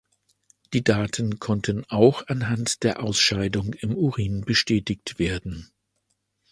Die Daten konnten auch anhand der Ausscheidung im Urin bestätigt werden.